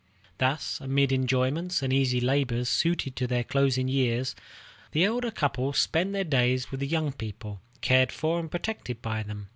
Thus, amid enjoyments and easy labors suited to their closing years, the elder couple spend their days with the young people, cared for and protected by them.